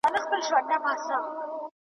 زور یې نه وو په وزر او په شهپر کي .